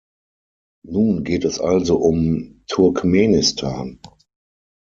Nun geht es also um Turkmenistan.